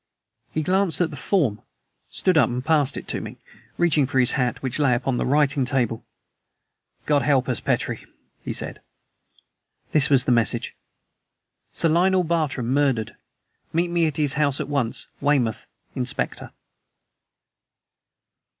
He glanced at the form, stood up and passed it to me, reaching for his hat, which lay upon my writing table. "God help us, Petrie!" he said. This was the message: "Sir Lionel Barton murdered. Meet me at his house at once. WEYMOUTH, INSPECTOR."